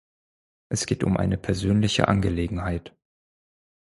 Es geht um eine persönliche Angelegenheit.